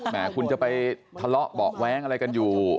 คุณจะไปทะเลาะเบาะแว้งอะไรกันอยู่